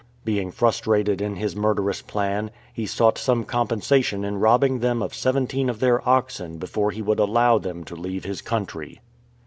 Being frustrated in his murderous plan, he sought some compensation in robbing them of seventeen of their oxen before he would allow them to leave his country.